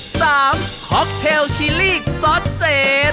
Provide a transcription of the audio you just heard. สามคอคเทลชิลลี่ซอสเซส